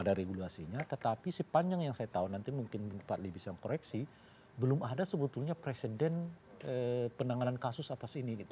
ada regulasinya tetapi sepanjang yang saya tahu nanti mungkin pak ly bisa koreksi belum ada sebetulnya presiden penanganan kasus atas ini gitu